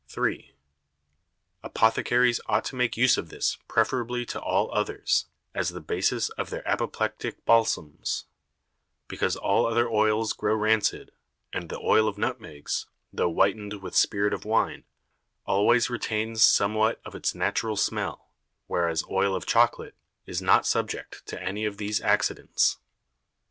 3. Apothecaries ought to make use of this preferably to all others, as the Basis of their Apoplectick Balsams; because all other Oils grow rancid, and the Oil of Nutmegs, though whiten'd with Spirit of Wine, always retains somewhat of its natural Smell, whereas Oil of Chocolate is not subject to any of these Accidents.